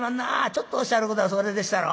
ちょっとおっしゃることがそれでっしゃろ。